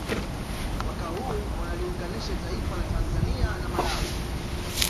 Mpaka huu unaliunganisha taifa la Tanzania na Malawi